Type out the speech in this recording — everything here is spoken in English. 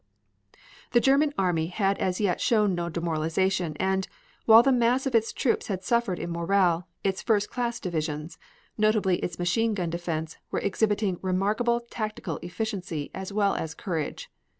The German army had as yet shown no demoralization and, while the mass of its troops had suffered in morale, its first class divisions, and notably its machine gun defense, were exhibiting remarkable tactical efficiency as well as courage.